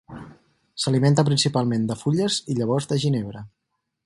S'alimenta principalment de fulles i llavors de ginebre.